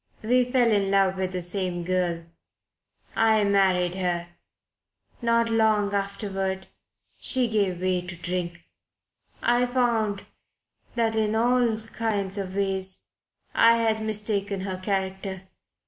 We fell in love with the same girl. I married her. Not long afterward she gave way to drink. I found that in all kinds of ways I had mistaken her character.